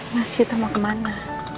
mas kita mau kemana